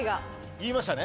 言いましたね。